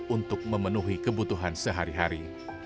untuk memenuhi kebutuhan sehari hari